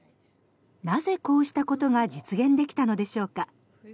なぜ、こうしたことが実現できたのでしょうか。